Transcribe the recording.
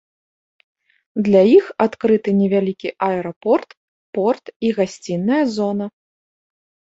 Для іх адкрыты невялікі аэрапорт, порт і гасцінная зона.